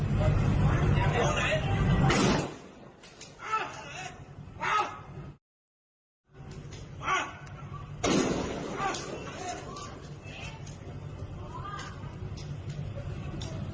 ได้แล้วว่าได้ไหมครับ